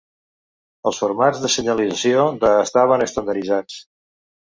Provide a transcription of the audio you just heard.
Els formats de senyalització de estaven estandarditzats.